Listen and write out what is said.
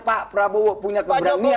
pak prabowo punya keberanian